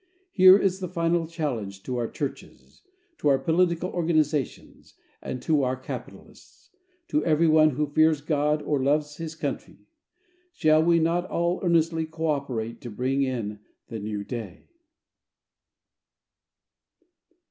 Here is the final challenge to our churches, to our political organizations, and to our capitalists to everyone who fears God or loves his country. Shall we not all earnestly co├Čperate to bring in the new day?